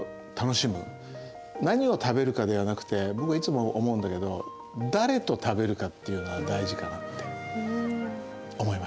何を食べるかではなくて僕はいつも思うんだけど誰と食べるかっていうのが大事かなって思いました。